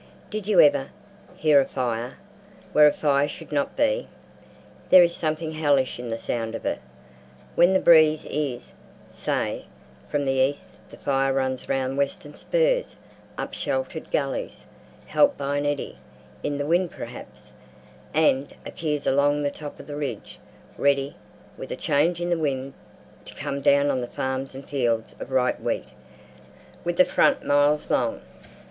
Did you ever hear a fire where a fire should not be? There is something hellish in the sound of it. When the breeze is, say, from the east the fire runs round western spurs, up sheltered gullies—helped by an "eddy" in the wind perhaps—and appears along the top of the ridge, ready, with a change in the wind, to come down on farms and fields of ripe wheat, with a "front" miles long.